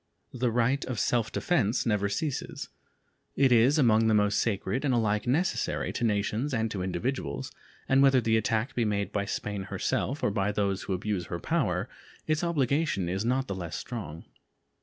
The right of self defense never ceases. It is among the most sacred, and alike necessary to nations and to individuals, and whether the attack be made by Spain herself or by those who abuse her power, its obligation is not the less strong.